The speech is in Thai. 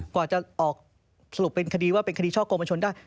กว่าจะออกสรุปเป็นคดีว่าเป็นคดีช่อกงประชนได้